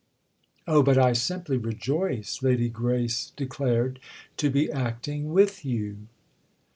'" "Oh, but I simply rejoice," Lady Grace declared, "to be acting with you."